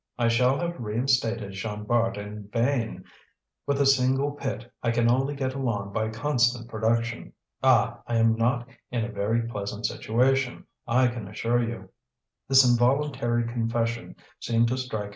I shall have reinstalled Jean Bart in vain; with a single pit, I can only get along by constant production. Ah! I am not in a very pleasant situation, I can assure you!" This involuntary confession seemed to strike M.